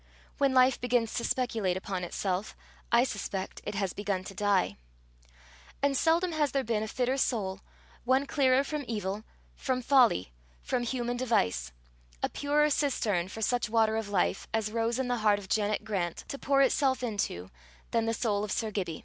When life begins to speculate upon itself, I suspect it has begun to die. And seldom has there been a fitter soul, one clearer from evil, from folly, from human device a purer cistern for such water of life as rose in the heart of Janet Grant to pour itself into, than the soul of Sir Gibbie.